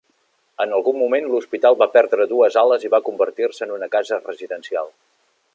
En algun moment l'hospital va perdre dues ales i va convertir-se en una casa residencial.